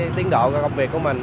tiến độ công việc của mình